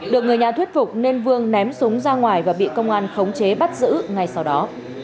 được người nhà thuyết phục nên vương ném súng ra ngoài và bị công an khống chế bắt giữ ngay sau đó